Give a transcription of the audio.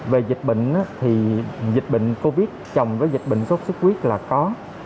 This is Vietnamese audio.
về dịch bệnh thì dịch bệnh covid chồng với dịch bệnh sốt xuất huyết là có